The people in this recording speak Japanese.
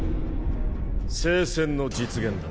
聖戦の実現だ。